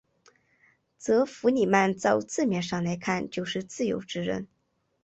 则弗里曼照字面上来看就是自由之人。